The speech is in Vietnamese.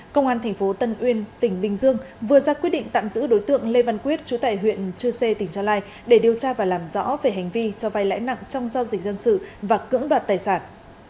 công an tp tân uyên tỉnh bình dương vừa ra quyết định tạm giữ đối tượng lê văn quyết chú tại huyện chư sê tỉnh gia lai để điều tra và làm rõ về hành vi cho vay lãi nặng trong giao dịch dân sự và cưỡng đoạt tài sản